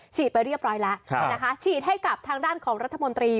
ไปเรียบร้อยแล้วนะคะฉีดให้กับทางด้านของรัฐมนตรี